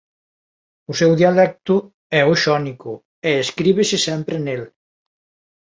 O seu dialecto é o xónico e escríbese sempre nel.